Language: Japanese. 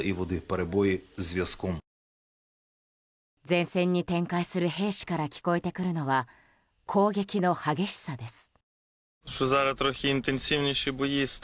前線に展開する兵士から聞こえてくるのは攻撃の激しさです。